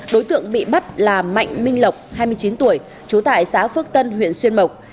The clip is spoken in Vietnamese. đối tượng bị bắt là mạnh minh lộc hai mươi chín tuổi trú tại xã phước tân huyện xuyên mộc